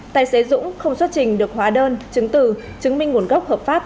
tài xế dũng không xuất trình được hóa đơn chứng từ chứng minh nguồn gốc hợp pháp